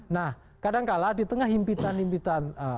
nah kadangkala di tengah impitan impitan